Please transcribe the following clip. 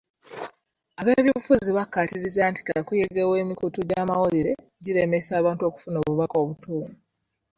Ab'ebyobufuzi bakkaatiriza nti kakuyege w'emikutu gy'amawulire giremesa abantu okufuna obubaka obutuufu.